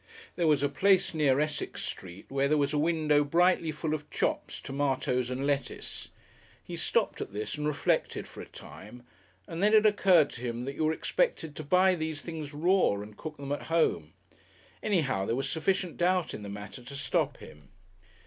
There was a place near Essex Street where there was a window brightly full of chops, tomatoes and lettuce. He stopped at this and reflected for a time, and then it occurred to him that you were expected to buy these things raw and cook them at home. Anyhow, there was sufficient doubt in the matter to stop him.